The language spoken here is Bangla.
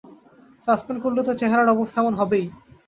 সাসপেন্ড করলে তো চেহারার অবস্থা এমন হবেই।